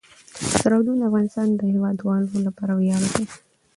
سرحدونه د افغانستان د هیوادوالو لپاره ویاړ دی.